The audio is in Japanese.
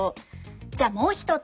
じゃあもう一つ。